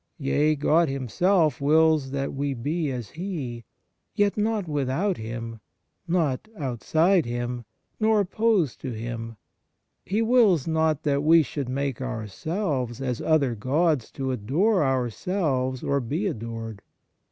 Yea, God Himself wills that we be as He; yet not without Him, not out side Him, nor opposed to Him; He wills not that we should make ourselves as other gods to adore ourselves or be adored.